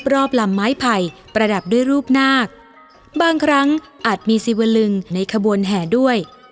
ลำไม้ไผ่ประดับด้วยรูปนาคบางครั้งอาจมีสิวลึงในขบวนแห่ด้วย